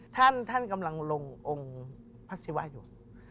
ท่านท่านกำลังลงองค์พระศิวะอยู่